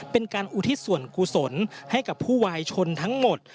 เป็นการอุทิศส่วนกุศลให้กับผู้วายชนทั้งหมด